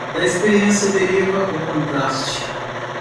Da experiência deriva o contraste